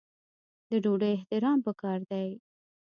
د ډوډۍ احترام پکار دی.